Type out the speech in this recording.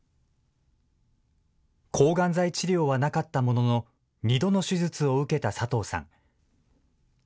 抗がん剤治療はなかったものの、２度の手術を受けた佐藤さん。